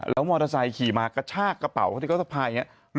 แล้วมอเตอร์ไซค์ขี่มากระชากกระเป๋าเขาที่เขาสะพายอย่างนี้